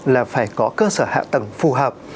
là phải có cơ sở hạ tầng phù hợp